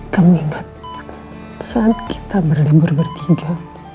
kamu ingat saat kita berlibur bertiga